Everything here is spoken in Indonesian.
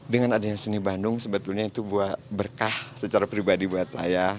dengan adanya seni bandung sebetulnya itu berkah secara pribadi buat saya